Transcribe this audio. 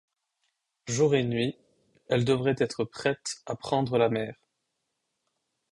Jour et nuit, elle devait être prête à prendre la mer.